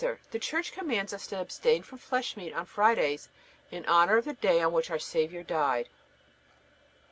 The Church commands us to abstain from flesh meat on Fridays, in honor of the day on which our Saviour died.